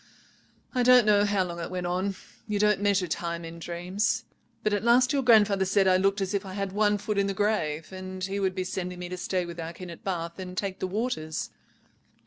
I don't know how long it went on—you don't measure time in dreams—but at last your grandfather said I looked as if I had one foot in the grave, and he would be sending me to stay with our kin at Bath and take the waters.